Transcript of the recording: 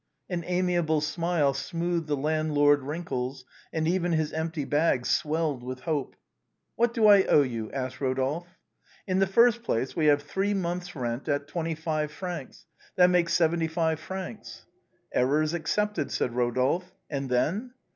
An amiable smile smoothed the landlord's wrinkles and even his empty bag swelled with hope. " What do I owe you ?" asked Eodolphe. " In the first place, we have three months' rent at twenty five francs, that makes seventy five francs." " Errors excepted," said Eodolphe. "And then